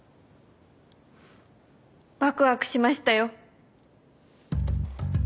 ワクワクしましたよ。